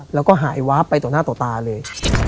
แล้วก็หายวาบไปต่อหน้าต่อตาเลย